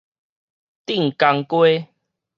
鎮江街